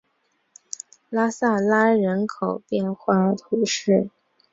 拉穆拉人口变化图示